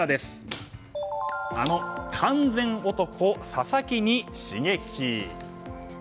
あの完全男、佐々木に刺激。